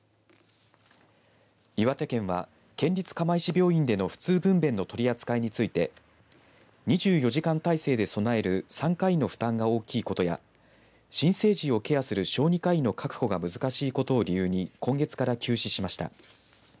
岩手県は県立釜石病院での普通分べんの取り扱いについて２４時間体制で備える産科医の負担が大きいことや新生児をケアする小児科医の確保が難しいことを理由に今月から休止しました。